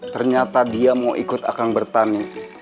ternyata dia mau ikut akang bertani